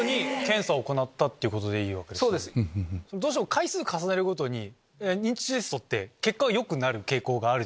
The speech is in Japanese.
回数重ねるごとに認知テスト結果がよくなる傾向がある。